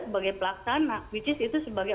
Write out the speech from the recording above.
sebagai pelaksana which is itu sebagai